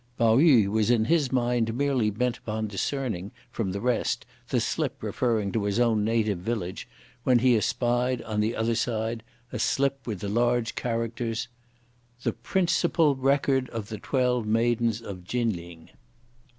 Pao yü was in his mind merely bent upon discerning, from the rest, the slip referring to his own native village, when he espied, on the other side, a slip with the large characters: "the Principal Record of the Twelve Maidens of Chin Ling."